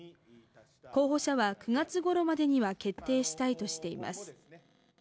候補者は９月ごろまでには決定したいとしています。